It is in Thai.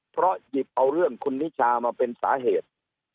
เพราะหยิบเอาเรื่องคุณนิชามาเป็นสาเหตุ